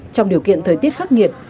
trong điều kiện thời tiết khắc nghiệt